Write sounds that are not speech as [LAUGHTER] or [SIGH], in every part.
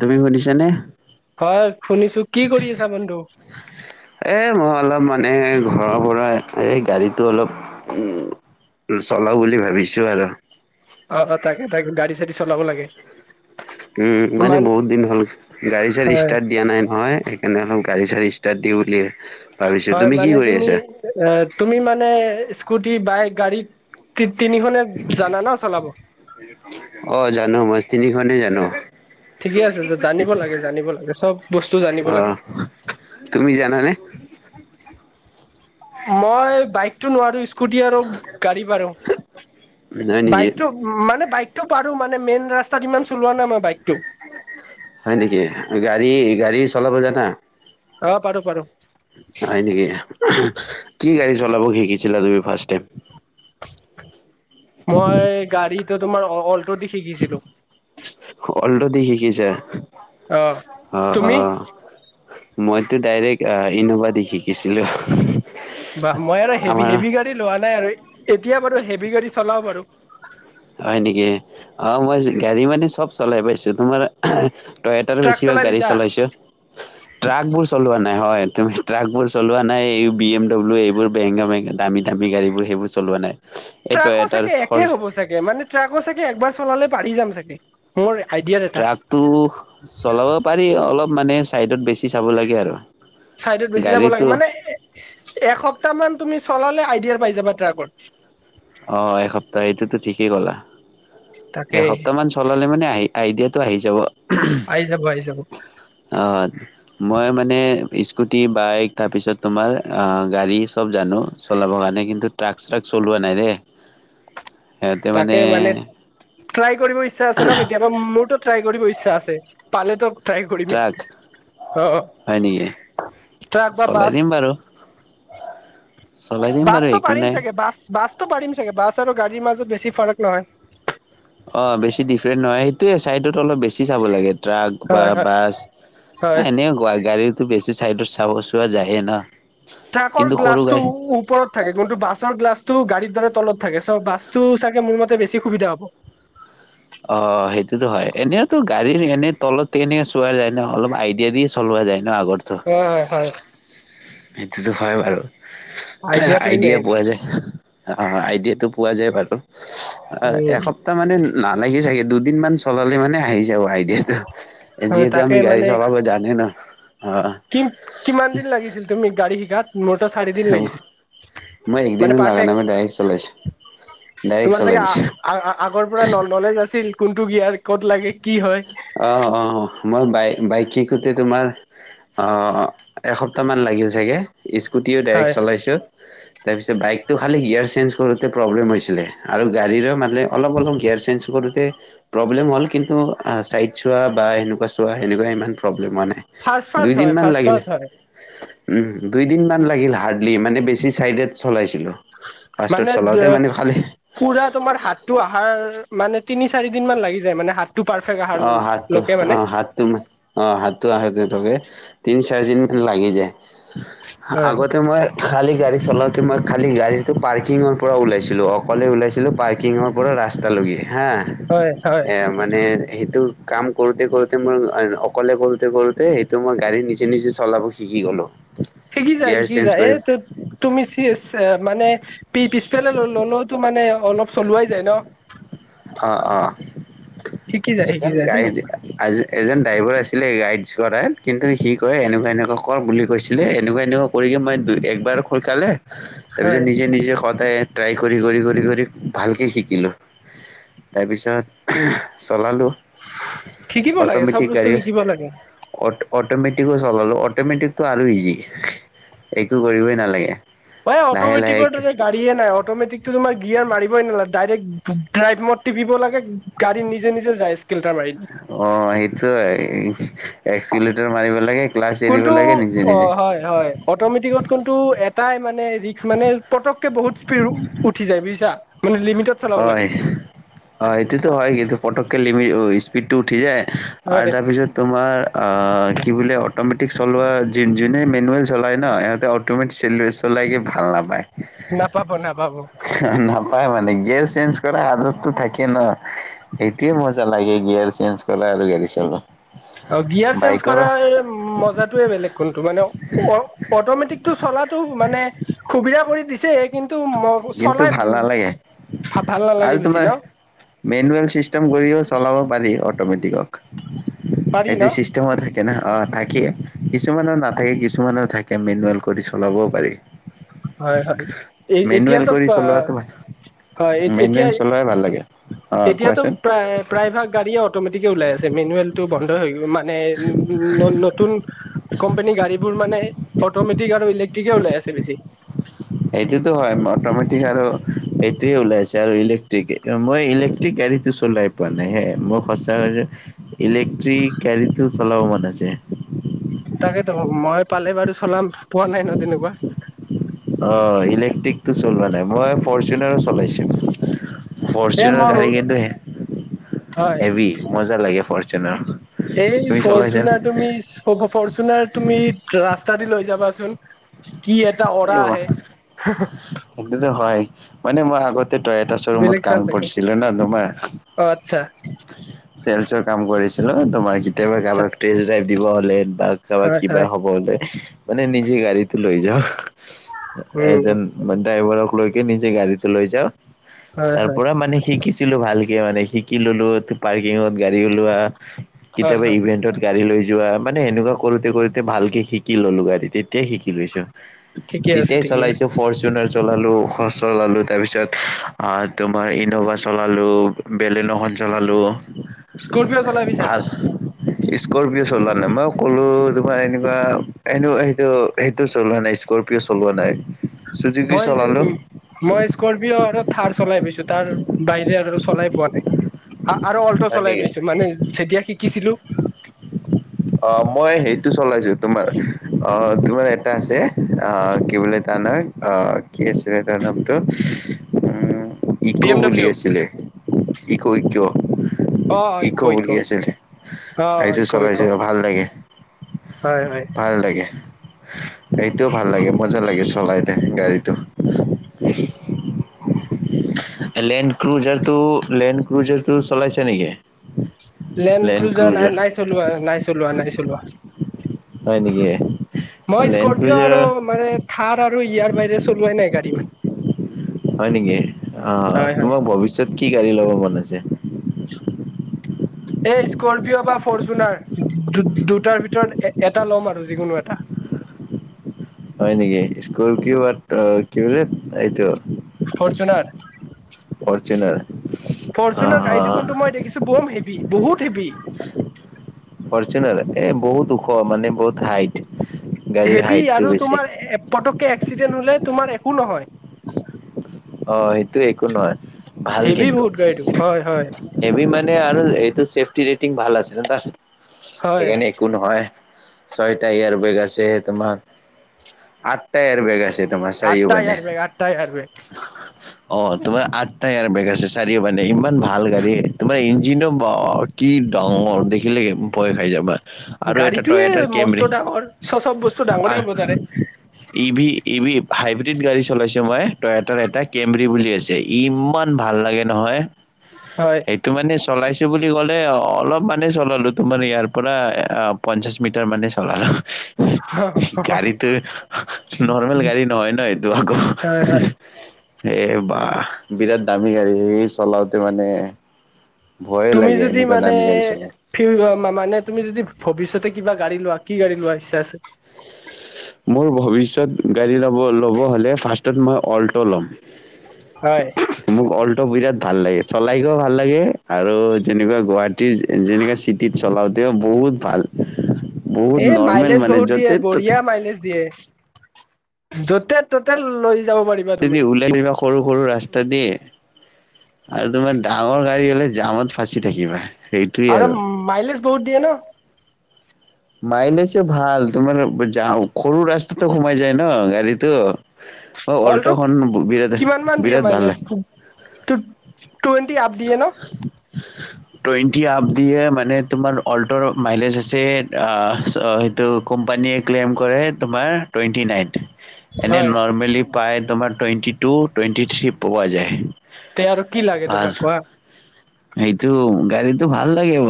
তুমি শুনিছ নে। হয় শুনিছো কি কৰি আছা বন্ধু। এ মই অলপ মানে ঘৰৰ পৰা এই গাড়ীটো অলপ। চলা বুলি ভাবিছো আৰু। অ তাকে তাকে গাড়ী চাড়ী চলাব লাগে। উম মানে মান বহুত দিন হ'ল গাড়ী চাড়ী হয় ষ্টাৰ্ট দিয়া নাই নহয়। সেইকাৰণে অল গা়ী চ়ী ষ্টাৰট দিি বুলিিয় আৰু। হয় মানে তুমি তুমি মানে। স্কুটি বাইক গা তিনিখনে জানা ন চলাব। এনেখনেই জানো। ঠিকে আছে জানিব লাগে জানিব লাগে চব বস্তু জানিব লাগে আহ। তুমি জান নে। মই বাইকতো নোৱাৰো। স্কুটি আৰু গাড়ী বাৰ হয় নেকি বাইকটো মানে বাইক। তটো পাৰো মানে মেইন ৰাস্তাত ইমান চলোৱা নাই মই বাইক। হয় নেকি গাড়ী গাড়ী চলাব জানা। অ পাৰো পাৰো। হয় নেকি কি গাড়ী চলাব শিকিছিলা তুমি ফাৰ্ষ টাইম। মই গাড়ীটো তোমাৰ অ' হল। দি শিকিছিলো। অলৰেডি শিকিছে। আহ, তুমি? মইতো ডাইৰেক্ট আহ ইন'ভা দি শিকিছিলো। ব মই আৰু হভি হেভি গাড়ী লোৱা নাই আৰু, এতিয়া বাৰু হেভি গাড়ী চলাও বাৰু। হয় নেকি অ', মই গাড়ী মানে চব চলাই পাইছো তোমাৰ তয়টাৰ ট্ৰাক বেছিভাগ চলাই গাড়ী পিছা চলাইছো, ট্ৰাক বোৰ চলোৱা নাই। নাই হয় তুমি ট্ৰাকবোৰ চলোৱা নাই, এই বি এম ডব্লিউ এইবোৰ বোৰ বেছি দামী দামী গাড়ীবোৰ সেইবোৰ চলোৱা নাই। এই ট্ৰাকো টয়টাৰ চাগে ফৰ একে হব চাগে মানে ট্ৰাকো চাগে একবাৰ চলালে পঢাৰি যাম চাগে, মোৰ আইডিয়াৰ এটা ট্ৰাকটো চলাব পাৰি, অলপ মানে চাইডত বেছি চাব লাগে আৰু। চাইডত বেছি যাব লাগে গাড়ীটো মানে, এসপ্তাহ মান তুমি চলালে আইডিয়া পাই যাবা ট্ৰাকত। ত সেইটোতো ঠিকেই ক'লা, তাকে এসপ্তাহমান চলালে মানে আহি আইডিয়াটো আহি যাব। আহি যাব আহি যাব অ', মই মানে স্কুটি বাইক তাৰপিছত তোমাৰ অ', গাড়ী চব জানো চলাবৰ কাৰণে কিন্তু ট্ৰাক চ্ৰাক চলোৱা নাই দেই। তাকে মানে, ট্ৰাই কৰিব ইচ্ছা আছে ন কেতিয়াবা মোৰতটো ট্ৰাই কৰিব ইচ্ছা। ইচছা আছে পালেতো ট্ৰাই কৰিম ট্ৰাক অ', হয় নেকি ট্ৰাক বা বাছ। অ'। বাছতটো পাৰিম চাগে বাছ, বাছতটো পাৰিম চাগে বাছ আৰু গাড়ীৰ মাজত বেছি ফাৰক নহয়। অ', বেছি ডিফাৰেণ্ট নহয় সেইটোয়ে চাইডত অলপ বেছি চাব লাগে। ট্ৰাক বা হয় হয় বাছ, হয় এনেকুৱা গাড়ীত বেছি চাইডত চাব চোৱা যায়ে না। ট্ৰাকৰ গ্লাছ টো ওপৰত থাকে কিন্তু বাছৰ গ্লাছটো গাড়ীৰ দ্বাৰা তলত থাকে চ' বাছতটো চাগে মোৰ মতে বেছি সুবিধা হ'ব। অ', সেইটোতো হয় এনেইওতো গাড়ীৰ এনেই তলত এনেকে চোৱা যায় ন অলপ আইডিয়া দিয় চলোৱা যায়। আগৰ হয় হয় হয় এইটো, তো হয় বাৰু। আইডিয়াটোৱে আইডিয়া মেইন পোৱা যায়, অ', আইডিয়াাতটো পোৱা যায় বাৰু। উম অ', সপ্তাহ মানে নালাগে চাগে দুদিন মান চলালে মানে আহি যাব আইডিয়াটো। হয় যিহেতু তাকে আমি গাড়ী মানে চলাৱ জানো ন। অ কি, কিমান দিন লাগিছিল তুমি গাড়ী শিকাত মোৰ ত চাৰি দিন লাগিছিল। মই একদিন মানে লাগা নাই, পাৰফেক্ট মই ডাইৰেক্ট চলাইছো। ডাইৰেক্ট তোমাৰ চলাই চাগে দিছো আগৰ পৰা নলেজ আছিল কোনটো জিয়াৰ ক'ত লাগে কি হয়। অ', অ', মই বাই বাইক শিকোতে তোমাৰ অ' এসপ্তাহ মান ল লাগে চাগে স্কুটিও ডাইৰেক্ট হয় চলাইছো। তাৰপিছত বাইকতো খালি গয়াৰ চেঞ্জ কৰোতে প্ৰব্লেম হৈছিলে আৰু গাড়ীৰ ম বলে অলপ অলপ গিয়াৰ চেঞ্ঞ্চ কৰোতে, প্ৰ'ব্লেম হ'ল কিন্তু চাইড চোৱা বা এনেকুৱা চোৱা সেনেকুৱা ইমান প্ৰব্লেম হোৱা নাই। ফাৰ্ষ্ ফাৰ্ষ্ হয় ফাৰ্ষ্ ফাৰ্ষ হয়। উ, দুইদিনমান লাগিল হাৰ্ডলি মানে বেছি চাইড চলাইছিলোঁ। ফাৰ্ষ্টত মানে, চলাওঁতে মানে খালি পুৰা তোমাৰ হাতটো অহাৰ মানে তিনি চাৰি দিন মান লাগি যায় মানে হাত অ' হাতটো অ' হাতটো অ'হাতটো [UNINTELLIGIBLE] লাগি যায়, হয় আগতে মই খালি গাড়ী চলাওঁতে মই খালী গাড়ীতটো পাৰ্কিঙৰ পৰা ওলাইছিলো অকলে ওলাইছিলো প্কিঙৰ পৰা ৰাস পাঁচ্তালে হা, হয় হয় এ মানে সেইটো কাম কৰোতে কৰোতে মই অকলে কৰোতে কৰোতে সেইটো মই গাড়ী নিজে নিজে চলাব শিকি কি গলো। শিকি যায় গিয়াৰ শিকি চেঞ্জ যায়। এ, কৰি তে তুমি মানে পি পিছ ইফালে ল'লেওতো মানে অলপ চলোৱাই যায় ন'। অ', অ'। শিকি যায় শিকি এজন যায় গাইড এজন ড্ৰাইভাৰ আছিলে গাইডছ কৰাত কিন্তু সি কয় এনেকুৱা এনেকুৱা কৰ বুলি কৈছিলে এনেকুৱা এনেকুৱা কৰি মই দুইটা একবাৰ খোলকালে। তাৰপিছত হয় নিজে নিজে সদায় ট্ৰাই কৰি কৰি, কৰি কৰি ভালকে শিকিলোঁ। তাৰপিছত চলালোঁ। শিকিব লাগে চব অট'মেটিক বস্তু গাড়ী শিকিব লাগে অট অট'মেটিকো চলালোঁ, অট'মেটিকটো আৰু ইজি একো কৰিবই নালাগে। অই লাহে অট'মেটিকৰ লাহে দৰে গাড়ীয়ে নাই। অ' অট'মেটিকটো তোমাৰ গিয়াৰ মাৰিবই নালাগে ডাইৰেক্ট ড্ৰাইভ মত টিপিব লাগে গাড়ী নিজে নিজে যাই আছে। অ' সেইটোয়ে হয়। এক্সিলেটৰ মাৰিব লাগে ক্লাছ এৰিব কোনটো লাগে নিজে নিজে অ' হয় হয় অটমেটিকত কোনটো এটাই মানে ৰিক্স মানে পতককে বহুত বহুত স্পীড উঠি যায় বুজিছা? মানে লিমিটত চলাব লাগে হয়। হয় এইটোতো হয় কিন্তু পটককে লমি স্পিডটো উঠি যায় আৰু হয় তাৰ পিছত তোমাৰ অ' কি বোলে অটমেটিক চলোৱা যোনে মেনুৱেল চলাই না ইহঁতে অমেটিক চলাই লাইকে ভাল নাপায়। নাপাব নাপাব। পাই মানে, গিয়েৰ চেঞ্জ কৰা আদতটো থাকে ন' সেইটোয়ে মজা লাগে। গিয়েৰ চেঞ্জ কৰাই আৰু গড়ী চলা অ' গিয়াৰ চেঞ্জ কৰাৰ দৰে মজটোয়ে বেলেগ কোনটো মানে অ' অটমেটিক চলা হোৱাটো মানে সুবিধা কৰি দিছে কিন্তু কিন্তু চলাই ভাল উ, নালাগে ভাল আৰু নালাগে বেছি তোমাৰ ন'? মেনুৱেল চিষ্টম কৰিও চলাব পাৰি অটমেটিকক। পাৰি ন সেইটো চিষ্টেমও থাকি অ' থাকে কিছুমানৰ নাথাকে কিছুমানৰ থাকে, মেনুৱেল কৰি চলাবও পাৰি। হয় হয়। এ, মেনুৱেল এতিয়াতো কৰি চলোৱাটো ভাল, হয় এতি এতিয়া মেনুৱেল চলাই ভাল লাগে অ এতিয়াতো কোৱাচোন প্ৰায় প্ৰায় ভাগ গাড়ীয়ে অটমেটিকে ওলাই আছে। মেনুৱেল বন্ধ হৈ গ মান মানে উ, নতুন কোম্পানীৰ গাড়ীবোৰ মানে অটমেটিক আৰু ইলেক্ট্ৰিকে ওলাই আছে বেছি। এইটোতো হয় অটমেটিক আৰু এইটোৱে ওলাইছে আৰু ইলেক্ট্ৰিক মই ইলেক্ট্ৰিক গাড়ীটো চলাই পোৱা নাই। মোৰ সঁচা ইলেক্ট্ৰিক গাড়ীটো চলাব মন আছে। [INAUDIBLE] তাকেইেতো মই পালে বাৰু চলাম। পোৱা নাই ন' তেনেকুৱা। অ' ইলেক্ট্ৰিকটো চলোৱা নাই। মই ফৰচুনাৰো চলাইছোঁ। এ ফৰচুনৰ মোৰ গাড়ী কিন্তু হে হয় হেভী মজা লাগে ফৰচুনাৰ। এই তুমি চলাইছানে ফৰ্চুনাৰ তুমি ফৰ্চুনাৰ তুমি ৰাচ ৰাস্তা দি লৈ যাবাচোন, কি এটা অৰা এ আহে। সেইটোতো হয়। মানে মই আগতে টয়টা শ্বৰুমত বেলেগ কাম চাল লাগে কৰিছিলোঁ না তোমাৰ। অ আচ্ছা চেলচৰ কাম কৰিছো লো তোমাৰ কেতিয়াবা আচ্ছা কাৰোবাক টেষ্টড্ৰাইভ দিব হলে বা কাৰোবাক হয় কিবা হয় হব হলে মানে নিজে গাড়ীটো লৈ যাও, উম এজন আচ্ছা ড্ৰাইভাৰৰ লৈকে নিজে গাড়ীটো লৈ যাওঁ হয় তাৰ হয় পৰা মানে শিকি ছিলো ভালকে মানে শিকি ললোঁ, পাৰ্কিঙত গাড়ী ওলোৱা হয় কেতিয়াবা হয় ইভেন্টত গাড়ী লৈ যোৱা মানে সেনেকোৱা কৰোঁতে ভালকে শিকি ললোঁ গাড়ী তে তেই শিকি লৈছোঁ। ঠিকে আছে তেতিয়াই ঠিকে আছে চলাইছোঁ ফৰ্চুন চলালোঁ, খ চলালোঁ তাৰপিছত আ, তোমাৰ ইনোভা চলালোঁ বেলেন' খন চলালোঁ। স্কৰপিঅ' চলাই পাইছা? স্কৰপিঅ' চলোৱা নাই। মই ক'লো তোমাৰ এনেকুৱা এনো সেইটো সেইটো চলোৱা নাই স্কৰপিঅ' চলোৱা নাই। চুজুকি মই চলালো উ, মই স্কৰপিঅ' আৰু থাৰ চলাই পাইছো তাৰ বাহিৰে আৰু চলাই পোৱা নাই আৰু অল্ট হয় চলাই নেকি পাইছো মানে যেতিয়া শিকিছিলো অ মই সেইটো চলাইছো তোমাৰ অ তোমাৰ এটা আছে অ কি বোলে ানাৰ অ কি আছিলে তাৰ নামটো উম বি ইকো এম বুলি ডাব্লিউ আছিলে ইকো ইক' ইক বুলি আছিল অ এইটো ইক ইক চলাইছিল ভাল লাগে হয় হয় ভাল লাগে এইটোও ভাল লাগে মজা লাগে চলাইতে গাড়ীটো লেন ক্ৰুজাৰটো লেন ক্ৰুজটো চলাইছে নেকি লেন ক্ৰুজাৰ নাই নাই চলোৱা নাই চলোৱা নাই চলোৱা হয় নেকি মই লেণ্ড স্কপিঅ ক্ৰুজাৰ আৰু মানে থাৰ আৰু ইয়াৰ বাহিৰে চলোৱাই নাই গাড়ী মানে হয় নেকি আহ হয় হয় তোমাক ভৱিষ্যত কি গাড়ী লব মন আছে এই স্কপিঅ' বা ফৰচুনাৰ দুটাৰ ভিতৰত এটা ল'ম আৰু যিকোনো এটা উ হয় নেকি স্কুল কি বড কি বুলিোলে এইটো ফৰ্চুনাৰ ফৰ্চুনাৰ অ ফৰ্চুনাৰ গাড়ীটো শুন্তু মই দেখিছো বৰম হেভি বহুত হেভি অৰ্জনেল এ বহুত দুখ মানে বহুত হাইট গাড়ীৰ হেভি হাইটটো আৰু বেছি তোমাৰ পটককে এক্সিডেণ্ট হলে তোমাৰ একো নহয় অ সেইটো একো নহয় ভাল হেভি কিন্তু বহুত গাড়ীটো হয় হয় এবি মান আৰু এইটোফি ৰেটিং ভাল আছে ন তাৰ হয় সেইকাৰণে একো নহয় ছয়টা এয়াৰ বেগ আছে তোমাৰ আঠটা এয়াৰ বেগ আছে তোমাৰ আঠ হাৰ বেগ আঠটা হাৰ ব উ অ তোমাৰ আঠ টায়াৰ বেগ আছে চাৰিও মানে ইমান ভাল গাড়ী তোমাৰ ইঞ্জিনো কি ডাঙৰ দেখিলে ভয় খাই যাবা আৰু এটা গাড়ীটোয়ে টয়টাৰ মস্ত কেমৰি ডাঙৰ চ চব বস্তু ডাঙৰে হ'ব তাৰে ই ভ ই ভ হাইব্ৰ্ৰীড গাড়ী চলাইছে মই তই এটাৰ এটা কেম্ৰি বুলি আছে ইমান ভাল লাগে নহয় হয় সেইটো মানে চলাইছো বুলি ক'লে অলপ মানে চলালো তোমাৰ ইয়াৰ পৰা পঞ্চাশ মিটাৰ মানে চলালো হয় গাড়ীটোো নৰ্মেল গাড়ী নহয় ন এইটো আকৌ হয় এ বা বিৰাট দামী গাড়ী এই চলাওতে মানে ভয়ে তুমি লাগে যদি এনেকুৱা দামী গাড়ী চলাই মানেি মানে তুমি যদি ভৱিষ্যতে কিবা গাড়ী লোৱা কি গাড়ী লোৱা ইচ্ছা আছে মোৰ ভিষ্যত গাড়ী ল ল'ব হলে ফ্ষ মই অল্ ল'ম হয় মোক অলট বিৰাট ভাল লাগে চলাইকেও ভাল লাগে আৰু যেনেকুৱা গুৱাহাটীৰ যেনেকাা চিটিত চলাওতেও বহুত বহুত ভাল এ বহুত নৰ্মেল মাইলেজ মানে বহুত দিয়ে য'তে বঢ়িয়া ত'তে মাইলেজ য'তে ত'তে লৈ যাব পাৰিবা তুমি যদি ওলাই আহিবা সৰু সৰু ৰাস্তা দিয়ে আৰু তোমাৰ ডাঙৰ গাড়ী হলে জামত ফাঁচি থাকিবা আৰু মাইলেজ বহুত দিয়ে ন মাইলেছে ভাল তোমাৰ য সৰু ৰাস্তাটোো ঘোমাই যায় ন গাড়ীটো অ অলটো অল্টখন বিৰাট কিমান মান দিয়ে বিৰাট ভাল মাইলেজ টুৱেণ্টি আপ দে ন টুৱেটি আ দিয়ে মানে তোমাৰ অল্টাৰ মাইলেজ আছে অ', চ সেইটো কোম্পানীয়ে ক্লেইম কৰে, তোমাৰ টুৱেণ্টি নাইন। এনে হয় নৰ্মেলি পাই তোমাৰ টুৱেন্টি টু টুৱেন্টি থ্ৰী পোৱা যায়। তে আৰু কি লাগে ভাল, তোমাক কোৱা সেইটো গাড়ীত। ভাল লাগিব,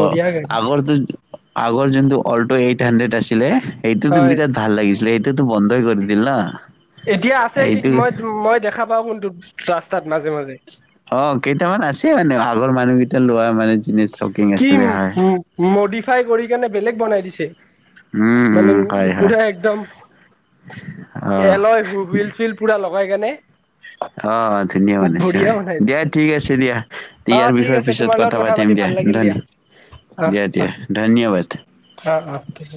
অ' গাড়ী আগৰ আগৰ যোনটো অল্ট এইট হানড্ৰেড আছিলে, সেইটোতো হয় বিৰাট ভাল লাগিছিলে। সেইটোতো বন্ধই কৰি দিল না। এতিয়া আছে কি? এইটো মই মই দেখা পাওঁ কোনটো? ৰাস্তাত মাজে মাজে। অ', কেইটামান আছে মানে আগৰ মানুহ কেইটা লোৱা মানে জি- কি মডিফাই কৰি কেনে বেলেগ বনাই দিছে। উম, উম, মানে হয়, হয়, পোৰা একদম। অ'। এ লয় হু হুইল চুইল পুৰা লগাই কেনে। অ', ধুনীয়া বনাইছে, বঢ়িয়া বনাই দিয়া দিছে ঠিক আছে দিয়া। অ ইয়াৰ ঠিক বিষয়ে আছে পিছত তোমাৰ লগত কথা পাতিম পাতি দিয়া। ভাল লাগিল অ দিয়া অ দিয়া, ধন্যবাদ। অ অ ঠিক আছে